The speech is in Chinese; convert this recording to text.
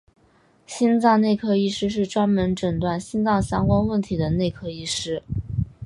心脏内科医师是专门诊断心脏相关问题的内科医师。